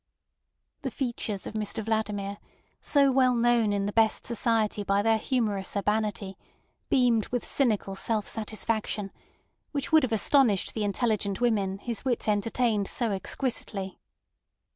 The features of Mr Vladimir, so well known in the best society by their humorous urbanity, beamed with cynical self satisfaction, which would have astonished the intelligent women his wit entertained so exquisitely.